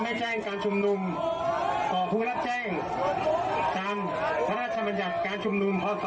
แจ้งการชุมนุมต่อผู้รับแจ้งตามพระราชบัญญัติการชุมนุมพศ